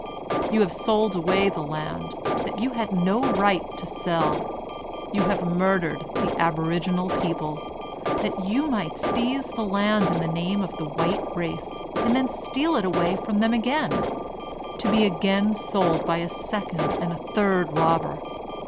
You have sold away the land, that you had no right to sell. You have murdered the aboriginal people, that you might seize the land in the name of the white race, and then steal it away from them again, to be again sold by a second and a third robl>er.